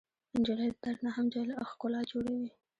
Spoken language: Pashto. نجلۍ له درد نه هم ښکلا جوړوي.